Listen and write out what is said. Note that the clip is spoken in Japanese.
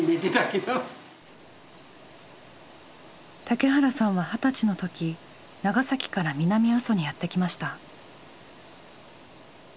竹原さんは二十歳の時長崎から南阿蘇にやって来ました。